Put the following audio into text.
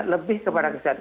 lebih kepada kesehatan